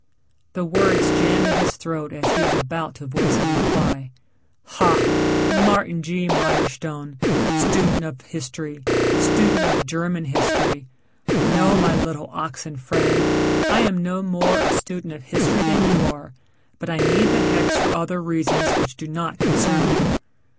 The words jammed in his throat as he was about to voice a reply. "Ha Martin G. Mirestone, student of history, student of German history. No my little oxen friend. I am no more a student of history than you are, but I need the hex for other reasons which do not concern you."